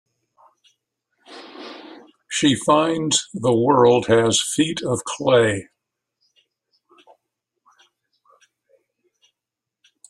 She finds the world has feet of clay.